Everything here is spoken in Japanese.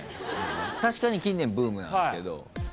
確かに近年ブームなんですけど。